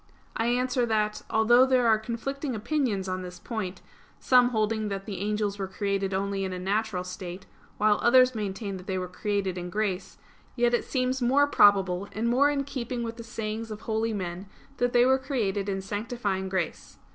I answer that, Although there are conflicting opinions on this point, some holding that the angels were created only in a natural state, while others maintain that they were created in grace; yet it seems more probable, and more in keeping with the sayings of holy men, that they were created in sanctifying grace.